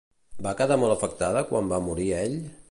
Va quedar molt afectada quan va morir ell?